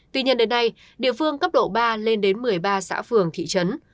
tuy nhiên đến nay địa phương cấp độ ba lên đến một mươi ba xã phường thị trấn